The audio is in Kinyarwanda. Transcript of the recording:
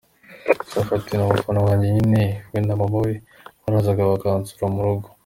Safi ati: “Ni umufana wanjye nyine we na mama we barazaga bakansura mu rugo.